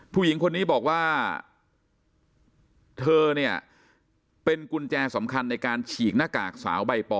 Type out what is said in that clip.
ผู้หญิงคนนี้บอกว่าเธอเนี่ยเป็นกุญแจสำคัญในการฉีกหน้ากากสาวใบปอ